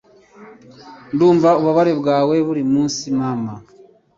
Ndumva ububabare bwawe Buri munsi mamma